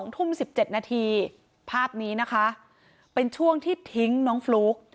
๒ทุ่ม๑๗นาทีภาพนี้นะคะเป็นช่วงที่ทิ้งน้องฟลุ๊ก